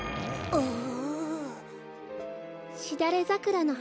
ああ。